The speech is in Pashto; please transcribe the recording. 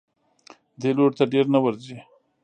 دې لوري ته ډېر نه ورځي.